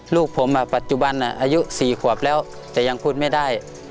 ลูกผมปัจจุบันอายุ๔ขวบแล้วแต่ยังพูดไม่ได้